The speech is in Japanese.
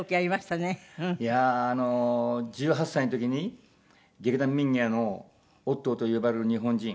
いやあ１８歳の時に劇団民藝の『オットーと呼ばれる日本人』。